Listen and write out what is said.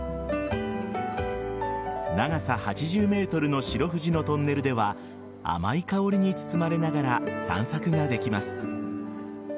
長さ８０ｍの白藤のトンネルでは甘い香りに包まれながら散策ができます。